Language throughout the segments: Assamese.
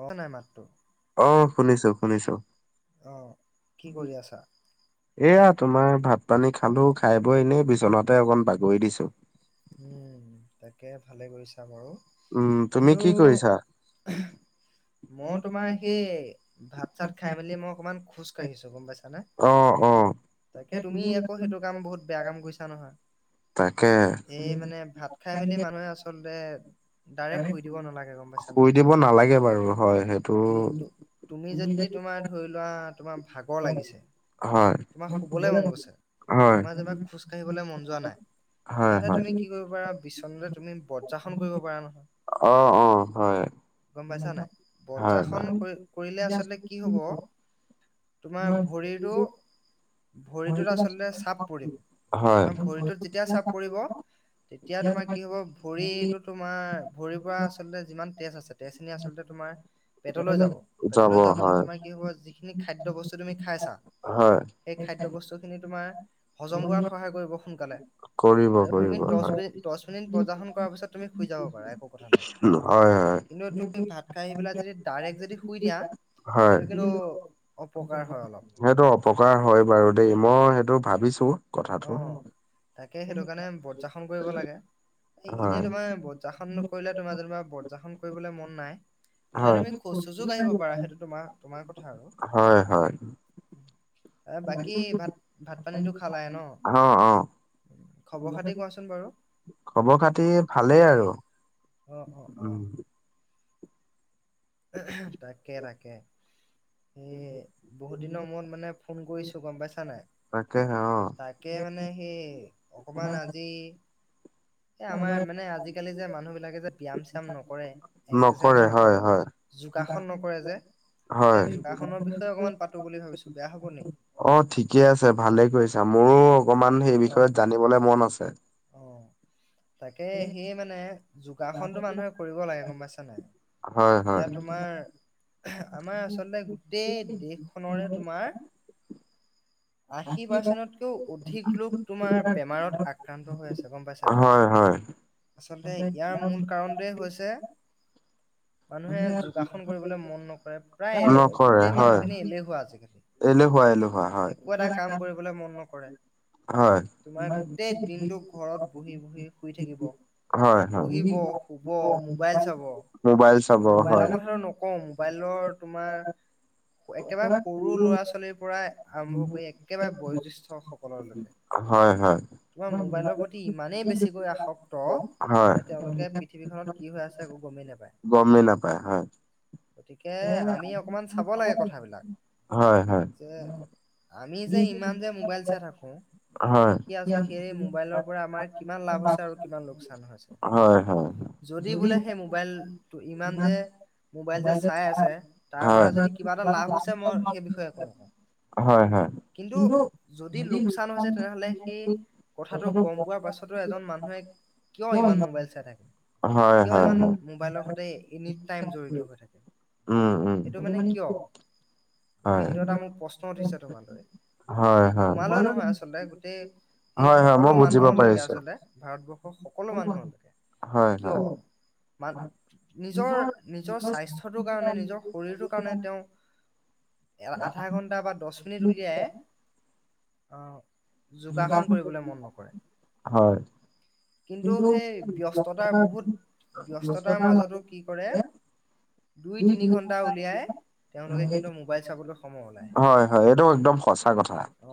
অহ নাই মাতটো, অ', কি কৰি আছা? এইয়া তোমাৰ ভাত পানী খালোঁ, খায় বই এনেই বিচনাতে অকন বাগৰি দিছোঁ। উমঁ' তাকে ভালে কৰিছা বাৰু, কিন্তু মইয়ো তোমাৰ সেই ভাত চাত খাই মেলি মই অকনমান খোজ কাঢ়িছো গম পাইছানে। তাকে, তুমি আকৌ সেইটো কাম বহুত বেয়া কাম কৰিছা নহয়। এই মানে ভাত খাই মেলি মানুহে আচলতে ডাইৰেক্ট শুই দিব নালাগে গম পাইছা নাই। নালাগে বাৰু। অঁ' [unintelligible] তুমি যদি তোমাৰ ধৰি লোৱা তোমাৰ ভাগৰ লাগিছে- তোমাক শুবলৈ মন গৈছে, তোমাৰ যেনিবা খোজ কাঢ়িবলৈ মন যোৱা নাই। তেনে হ'লে তুমি কি কৰিব পাৰা বিচনাতে তুমি বজ্ৰাখন কৰিব পাৰা নহয়। অঁ' অঁ' হয়। গম পাইছা নাই, বজ্জাখন কৈ-কৰিলে আচলতে কি হ'ব- তোমাৰ ভৰিটো ভৰিটোত আচলতে চাপ পৰিব, ভৰিটোত যেতিয়া চাপ পৰিব- তেতিয়া তোমাৰ কি হ'ব ভৰিতো তোমাৰ ভৰিৰ পৰা আচলতে যিমান তেজ আছে- তেজখিনি আচলতে তোমাৰ পেটলৈ যাব, পেটলৈ যোৱাৰ পিছত তোমাৰ কি হ'ব যিখিনি খাদ্য বস্তু তুমি খাইছা- হয়। সেই খাদ্য বস্তুখিনি তোমাৰ হজম কৰাত সহায় কৰিব সোনকালে। আৰু তুমি দচ মিনিট দচ মিনিট বজ্জাৰখন কৰাৰ পিছত তুমি শুই যাব পাৰা একো কথা নাই। হয়, হয়। কিন্তু তুমি ভাত খাই আহি পেলাই যদি ডাইৰেক্ট যদি শুই দিয়া সেইটো কিন্তু সেইটো অপকাৰ হয় বাৰু দেই, মই সেইটো ভাবিছোঁ। অঁ' তাকে, সেইটো কাৰণে বজ্জাখন কৰিব লাগে। এ এনেই তোমাৰ বজ্জাখণ নকৰিলে তোমাৰ যেনিবা বজ্জাখন কৰিবলে মন নাই- এনে তুমি খোজ চোজো কাঢ়িব পাৰা, সেইটো তোমাৰ তোমাৰ কথা আৰু। হয়, হয়। অঁ' অঁ'। খবৰ খাতি কোৱাচোন বাৰু? অঁ' অঁ' অঁ'। তাকে তাকে। এ বহুত দিনৰ মূৰত মানে ফোন কৰিছো গম পাইছা নাই। তাকেহে অঁ'। তাকে মানে সেই অকণমান আজি- এই আমাৰ মানে আজিকালি যে মানুহ বিলাকে যে ব্যায়াম চ্যায়াম নকৰে এক্সাৰচাইজ নকৰে। যোগাসন নকৰে যে। হয়। অঁ' ঠিকে আছে, ভালে কৰিছা, মোৰো অকমান সেই বিষয়ত জানি বলে মন আছে। অঁ' তাকে সেই মানে যোগাসনটো মানুহে কৰিব লাগে গম পাইছা নাই। এতিয়া তোমাৰ- আমাৰ আচলতে গোটেই দেশখনৰে তোমাৰ- আশী পাৰচেন্টতকৈও অধিক লোক তোমাৰ বেমাৰত আক্ৰ ন্ত হৈ আছে গম পাইছা নাই। আচলতে ইয়াৰ মূল কাৰণটোৱে হৈছে- মানুহে যোগাসন কৰিবলৈ মন নকৰে প্ৰায় এলে গোটেই মানুহখিনি এলেহুৱা আজিকালি। একো এটা কাম কৰিবলে মন নকৰে। হয় কিন্তু ঘৰত বহি বহি শুই থাকিব বহিব শুব মোবাইল চাব মোবাইলৰ কথাটো নকও মোবাইলৰ তোমাৰ একেবাৰে সৰু ল'ৰা ছোৱালীৰ পৰা আৰম্ভ কৰি একেবাৰে বয়োজ্যেষ্ঠ সকললৈকে হয় হয় তোমাৰ মোবাইলৰ প্ৰতি ইমানেই বেছিকৈ আসক্ত যে তেওঁলোকে পৃথিৱীখনত কি হৈ আছে একো গমেই নাপায় গমেই নাপায় হয় হয় হয় হয় এই মোবাইলৰ পৰা আমাৰ কিমান লাভ হৈছে আৰু কিমান লোকচান হৈছে হয় হয় যদি বোলে সেই মোবাইলটো ইমান যে মোবাইল যে চাই চাইছে তাৰ পৰা যদি কিবা এটা লাভ হৈছে মই সেই বিষয়ে একো নকওঁ কিন্তু যদি লোকচান হৈছে তেনেহলে সি কথাটো গম পোৱাৰ পাছতো এজন মানুহে কিয় ইমান মোবাইল চাই থাকে কিয় ইমান মোবাইলৰ সৈতে এনি টাইম জড়িত হৈ থাকে উম উম সেইটো মানে কিয় গতিকে সেইটো এটা মোৰ প্ৰশ্ন উঠিছে তোমালৈ তোমালৈ নহয় আচলতে গোটেই সেই সকলো মানুহলৈকে আচলতে ভাৰতবৰ্ষৰ সকলো মানুহলৈকে কিয় মান নিজৰ নিজৰ স্বাস্থ্যটোৰ কাৰণে নিজৰ শৰীৰটোৰ কাৰণে তেওঁ [inaudible] আধা ঘন্টা বা দছ মিনিট উলিয়াই অ যোগাস সন কৰিবলৈ মন নকৰে কিন্তু সেই ব্যস্ততা বহুত ব্যস্ততাৰ মাজতো কি কৰে দুই তিনি ঘণ্টা উলিয়াই তেওঁলোকে কিন্তু মোবাইল চাবলৈ সময় ওলায় অ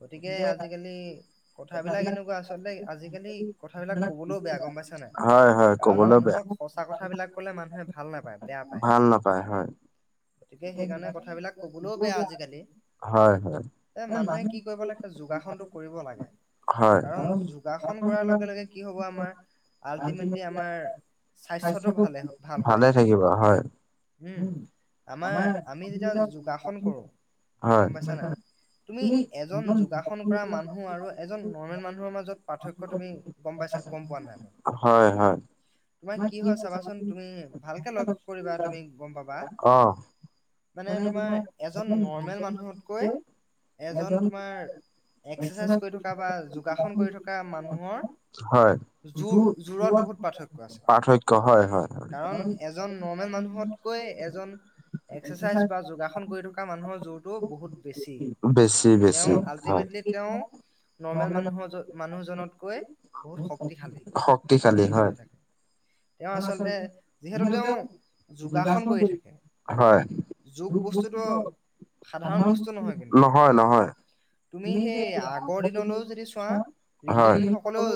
গতিকে আজিকা লি কথাবিলাক এনেকুৱা আচলতে আজিকালি কথাবিলাক কবলৈও বেয়া গম পাইছা নাই কাৰণ মানুহক সঁচা কথাবিলাক কলে মানুহে ভাল নাপায় ভাল নাপায় হয় গতিকে সেইকাৰণে কথাবিলাক ক'বলৈও বেয়া আজিকালি এ মানুহে কি কৰিব লাগে যোগাসনটো শিকিব লাগে কাৰণ যোগাসন কৰাৰ লগে লগে কি হ'ব আমাৰ আল্টিমেটলি আমাৰ স্বাস্থ্যটো ভালে ভাল হৈ আহিব উম আমাৰ আমি যেতিয়া যোগাসন কৰোঁ গম পাইছা নাই তুমি এজন যোগাসন কৰা মানুহ আৰু এজন নৰ্মেল মানুহৰ মাজত পাৰ্থক্য তুমি গম পাইছা গম পোৱা নাই বাৰু হয় হয় তোমাৰ কি হয় চাবাচোন তুমি ভালকে লক্ষ্য কৰিবা তুমি গম পাবা মানে তোমাৰ এজন নৰ্মেল মানুহতকৈ এজন তোমাৰ এক্সাৰচাইজ কৰি থকা বা যোগাসন কৰি থকা মানুহৰ জোৰ জোৰত বহুত পাৰ্থক্য আছে কাৰণ এজ জন নৰ্মেল মানুহতকৈ এজন এক্সাৰচাইজ বা যোগাসন কৰি থকা মানুহৰ জোৰটো বহুত বেছি তেওঁ আল্টিমেটলি তেওঁ নৰ্মেল মানুহ মানুহজনতকৈ বহুত শক্তিশালী শক্তিশালী হয় তেওঁ আচলতে যিহেতু তেওঁ যোগাসন কৰি থাকে যোগ বস্তুটো সাধাৰণ বস্তু নহয় কিন্তু তুমি সেই আগৰ দিনলৈও যদি চোৱা ঋষি মুুনি সকলেও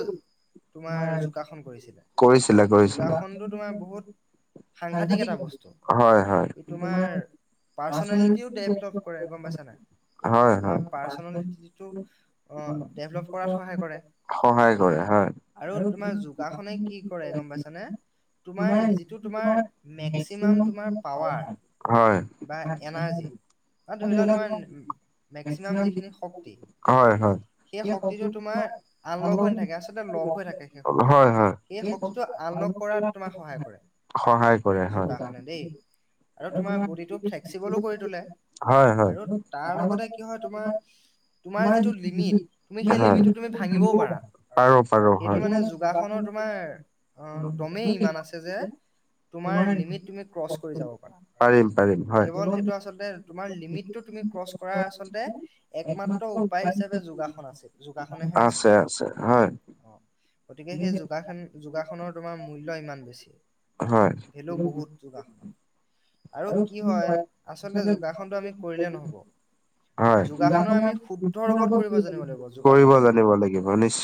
তোমাৰ যোগাসন কৰিছিলে যোগাসনটো তোমাৰ বহুত সাংঘাতিক এটা বস্তু ই তোমাৰ পাৰ্চনেলিটিও ডেভলপ কৰে গম পাইছা নাই তোমাৰ পাৰ্চনেলটি টো অ ডেভলপ কৰাত সহায় কৰে আৰু তোমাৰ যোগাসনে কি কৰে গম পাইছানে তোমাৰ যিটো তোমাৰ মেক্সিমাম তোমাৰ পাৱাৰ বা এনাৰ্জি আৰু ধৰি লোৱা তোমাৰ মেক্সিমাম যিখিনি শক্তি হয় হয় [unintelligible] হয় হয় [unintelligible] সহায় কৰে হয় [unintelligible] হয় হয় আৰু তাৰ লগতে তোমাৰ তোমাৰ যিটো [unintelligible] পাৰো পাৰো হয় সেইটো মানে যোগাসনৰ তোমাৰ অ দমেই ইমান আছে যে তোমাৰ লিমিট তুমি ক্ৰচ কৰি যাব পাৰা কেৱল সেইটো আচলতে তোমাৰ লিমিটটো তুমি ক্ৰছ কৰা আচলতে একমাত্ৰ উপায় হিচাপে যোগাসন আছে যোগাসনেহে আছে অ গতিকে সেই যোগাসন যোগাসনৰ তোমাৰ মূল্য ইমান বেছি ভেলো বহুত যোগাসনৰ আৰু কি হয় আচলতে যোগাসনটো আমি কৰিলে নহ'ব যোগাসনৰ আমি শুদ্ধ ৰূপত কৰিব জানিব লাগিব যোগাসনটো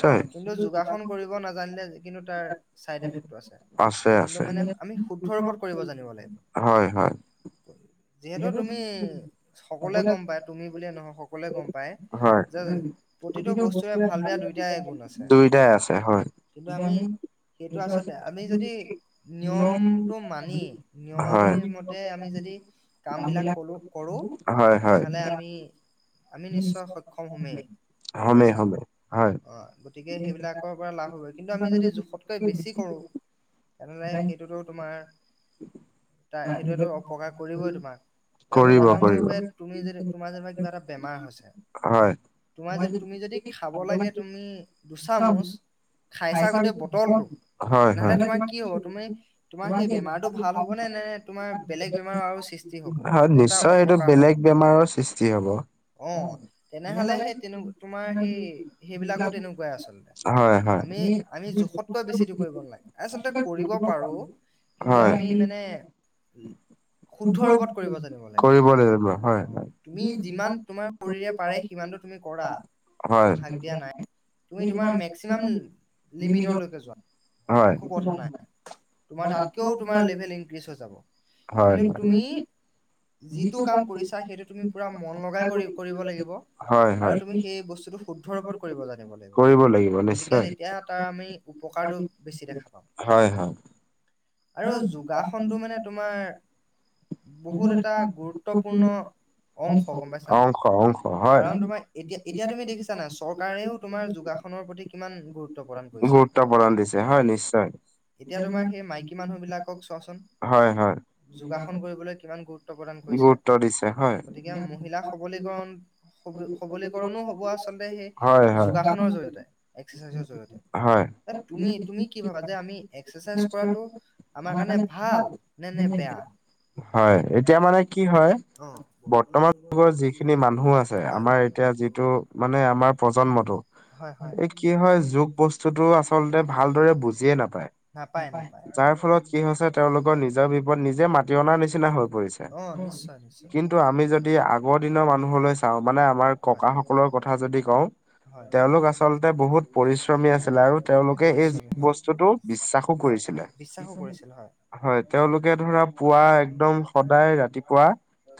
অ কিন্তু যোগাসন কৰিব নাজানিলে কিন্তু তাৰ চাইড এফেক্টটো আছে কিন্তু মানে আমি শুদ্ধ ওপৰত কৰিব জানিব লাগিব হয় হয় যিহেতু তুমি সকলোৱে গম পাই তুমি বুলিয়ে নহয় সকলোৱে গম হয় উম প্ৰতিটো বস্তুৰ ভালে বেয়াই দুইটাই আছে দুইটাই আছে হয় এতিয়া আমি সেইটো আচলতে আমি যি নিয়ম হয় [unintelligible] কাম বিলাক কলো কৰোঁ, তেনেহলে আমি আমি নিশ্চয় সক্ষম হমেই গম পাইছা অ' গতিকে সেইবিলাকৰ পৰা লাভ হব কিন্তু আমি যদি জোখতকৈ বেছি কৰোঁ। তেনেহলে সেইটোতো তোমাৰ তা সেইটোৱেটো অপকাৰ কৰিবই তোমাক। এ উদাহৰণ স্বৰূপে তুমি যে তোমাৰ যেনিবা কিবা এটা বেমাৰ হৈছে। তোমাৰ যদি, তুমি যদি খাব লাগে তুমি দুচামুচ খাইছা গোটেই বটলটো তেনেহলে তোমাৰ কি হব, তুমি তোমাৰ সেই বেমাৰটো ভাল হবনে নে তোমাৰ বেলেগ বেমাৰৰ আৰু সৃষ্টি হয় নিশ্চয় সেইটো বেলেগ বেমাৰৰ সৃষ্টি হব। অ' তেনেহলে সেই তেনে, তোমাৰ সেই সেইবিলাকো তেনেকুৱাই আচলতে। আমি, আমি জোখতকৈ বেছিটো কৰিব নালাগে। আচলতে কৰিব পাৰোঁ কিন্তু আমি মানে উম শুদ্ধ ৰূপত কৰিব জানিব লাগিব। তুমি যিমান তোমাৰ শৰীৰে পাৰে সিমানটো তুমি কৰা। মই হাক দিয়া নাই। তুমি তোমাৰ মেক্সিমাম লিমিটলৈকে যোৱা। একো কথা নাই। তোমাৰ তাতকেও তোমাৰ লভেল ইনক্ৰিজ হৈ যাব। কিন্তু তুমি, যিটো কাম কৰিছা সেইটো তুমি পুৰা মন লগাই- কৰি কৰিব লাগিব, আৰু তুমি সেই বস্তুটো শুদ্ধ ৰূপত কৰিব জানিব লাগিব। গতিকে- তেতিয়া তাৰ আমি উপকাৰটো বেছি দেখা পাম। হয় হয়। আৰু যোগাসন টো মানে তোমাৰ- বহুত এটা গুৰুত্বপূৰ্ণ অংশ, গম পাইছা। কাৰণ তোমাৰ এতিয়া, এতিয়া তুমি দেখিছা নাই, চৰকাৰেও তোমাৰ যোগা- খনৰ পতি কিমান গুৰুত্ব প্ৰদান কৰিছে। এতিয়া তোমাৰ সেই মাইকী- বিলাকক চোৱাচোন? যোগাসন কৰিবলৈ কিমান গুৰুত্ব প্ৰদান কৰিছে। গতিকে মহিলা- সবলীকৰণ- সবলীকৰণো হ'ব আচলতে সেই যোগাসনৰ জৰিয়তে, এক্সাৰচাইজৰ জৰিয়তে। তে তুমি, তুমি কি ভাবা যে আমি এক্সাৰচাইজ কৰাটো- আমাৰ কাৰণে ভাল নে নেনে বেয়া? হয়, এতিয়া মানে কি হয় বৰ্তমান যুগৰ যিখিনি- খিনি মানুহ আছে, আমাৰ এতিয়া যিটো মানে আমাৰ প্ৰজন্মটো- এই কি হয়? যোগ বস্তুটো আচলতে ভালদৰে বুজিয়ে নাপায়। যাৰ ফলত কি হৈছে তেওঁলোকৰ নিজৰ বিপদ নিজে মাতি অনা নিচিনা হৈ পৰিছে। কিন্তু আমি যদি আগৰ দিনৰ মানুহলৈ চাওঁ, মানে আমাৰ ককাসকলৰ কথা যদি কওঁ, - তেওঁলোক আচলতে বহুত পৰিশ্ৰমী আছিলে আৰু তেওঁলোকে এই বস্তুটো বিশ্বাসো কৰিছিলে। হয়, তেওঁলোকে ধৰা পুৱা একদম সদায় ৰাতিপুৱা-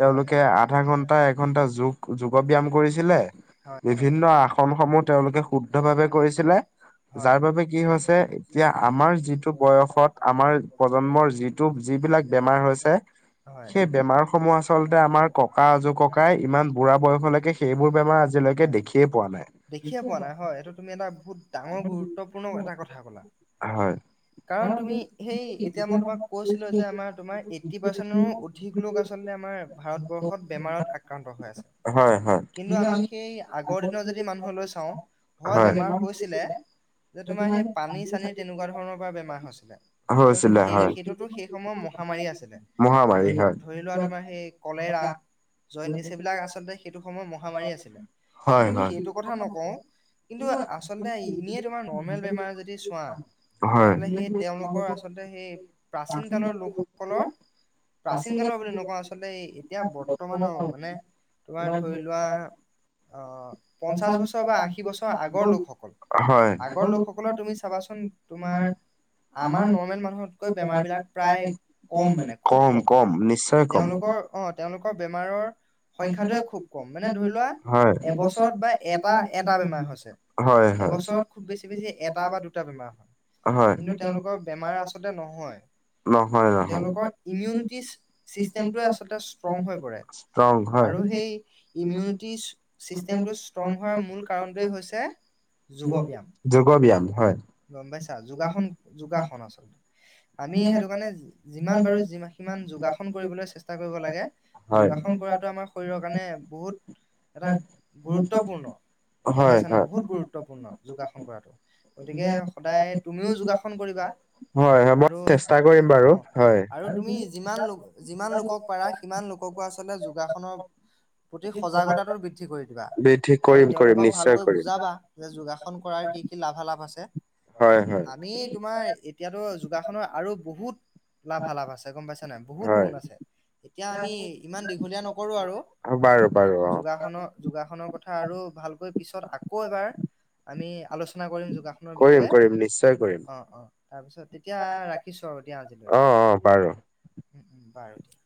হয়। আধা ঘন্টা এঘন্টা যোগ যোগ ব্যায়াম কৰিছিলে- বিভিন্ন আসনসমূহ তেওঁলোকে শুদ্ধ ভাৱে কৰিছিলে। যাৰ বাবে কি হৈছে এতিয়া আমাৰ যিটো বয়সত- আমাৰ প্ৰজন্মৰ যিটো যিবিলাক বেমাৰ হৈছে, - হয়। হয়, দেখিয়ে পোৱা নাই হয়, এইটো তুমি এটা বহুত- ডাঙৰ গুৰুত্বপূৰ্ণ এটা কথা ক'লা। হয়। কাৰণ তুমি- সেই, এতিয়া মই তোমাক কৈছিলোঁ যে আমাৰ তোমাৰ এইট্টি পাৰ্চেণ্টৰো অধিক লোক আচলতে আমাৰ ভাৰতবৰ্ষ- ষত বেমাৰত আক্ৰান্ত হৈ আছে। কিন্তু আমি সেই আগৰ দিনৰ যদি মানুহলৈ চাওঁ- হয় বেমাৰ হৈছিলে, যে তোমাৰ সেই পানী চানী তেনেকুৱা ধৰণৰ পৰা বেমাৰ হৈছিলে। হয়তো সেই সেইটোতো সেই সময়ৰ মহামাৰীয়ে আছিলে। ধৰি ধৰি লোৱা তোমাৰ সেই কলেৰা। জয়ন্তিচ, সেইবিলাক আচলতে সেইটো সময়ৰ মহামাৰী আছিলে, কিন্তু সেইটো কথা নকওঁ, - কিন্তু আচলতে এনেই তোমাৰ নৰ্মেল বেমাৰ যদি চোৱা, তেনেহ'লে সেই তেওঁলোক- লোকৰ আচলতে সেই প্ৰাচীন কালৰ লোকসকলৰ- প্ৰাচীন কালৰ বুলি নকওঁ আচলতে এতিয়া বৰত- বৰ্তমানৰ মানে তোমাৰ ধৰি লোৱা- অঁ পঞ্চাছ বছৰ বা আশী বছৰ আগৰ লোকসকল। আগৰ লোকসকলৰ তুমি চাবাচোন? তোমাৰ আমাৰ নৰ্মেল মানুহতকৈ, বেমাৰ বিলাক প্ৰায়, কম মানে, খুউব কম। তেওঁলোকৰ অ'! তেওঁলোকৰ বেমাৰৰ সংখ্যাটোৱে খুউব কম। মানে ধৰি লোৱা, এবছৰত বা এটা, এটা বেমাৰ হৈছে। এবছৰত, খুউব বেছি-বেছি, এটা বা দুটা বেমাৰ হয়। হয়। তেওঁলোকৰ বেমাৰ আচলতে নহয়। তেওঁলোকৰ ইমিউনিটি ছিষ্টেমটোৱে আচলতে, ষ্ট্ৰং হৈ পৰে। আৰু সেই, ইমিউনিটি ছিষ্টেমটো ষ্ট্ৰং হোৱাৰ মূল কাৰণটোৱেই হৈছে, যোগব্যায়াম। গম পাইছা? যোগাসন, যোগাসন আচলতে। আমি সেইটো কাৰণে, যিমান পাৰোঁ, [unintelligible] সিমান যোগাসন কৰিবলৈ চেষ্টা কৰিব লাগে। যোগাসন কৰাটো, আমাৰ শৰীৰৰ কাৰণে, বহুত এটা গুৰুত্বপূৰ্ণ। গম পাইছা নাই? বহুত গুৰুত্বপূৰ্ণ, যোগাসন কৰাটো। গতিকে, সদায় তুমিও যোগাসন কৰিবা। আৰু অ'! আৰু তুমি যিমান লোক, যিমান লোকক পাৰা, ইমান লোককো আচলতে, যোগাসনৰ প্ৰতি সজাগতাটো বৃদ্ধি কৰি দিবা। আৰু তেওঁলোকক ভালকৈ বুজাবা? যে যোগাসন কৰাৰ কি কি লাভালাভ আছে। আমি তোমাৰ এতিয়াতো, যোগাসনৰ আৰু বহুত, লাভালাভ আছে। গম পাইছনোই? বহুত গুণ আছে! এতিয়া আমি, ইমান দীঘলীয়া নকৰোঁ। [unintelligible] যোগা যোগাসনৰ, যোগাসনৰ কথা আৰু ভালকৈ পিছত, আকৌ এবাৰ, আমি আলোচনা কৰিম। যোগা [unintelligible] কৰিম-কৰিম, নিশ্চয় কৰিম। তাৰপিছত, এতিয়া ৰাখিছোঁ আৰু দিয়া, আজিলৈ। অ' অ'! উম, বাৰু দিয়া।